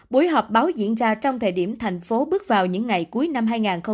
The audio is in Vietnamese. buổi họp báo diễn ra trong thời điểm thành phố bước vào những ngày cuối năm hai nghìn hai mươi